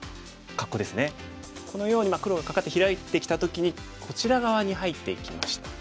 このように黒がカカってヒラいてきた時にこちら側に入っていきました。